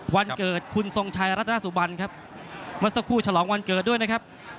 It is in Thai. วันเกิดคุณทรงชัยรัตนสุบันครับเมื่อสักครู่ฉลองวันเกิดด้วยนะครับ